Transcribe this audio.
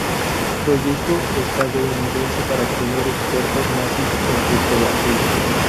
Proyecto estadounidense para obtener expertos nazis en criptografía.